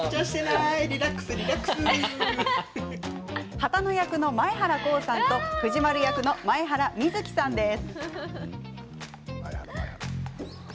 波多野役の前原滉さんと藤丸役の前原瑞樹さんです。